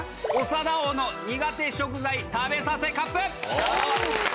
長田王の苦手食材食べさせＣＵＰ！